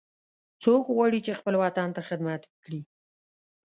څوک غواړي چې خپل وطن ته خدمت وکړي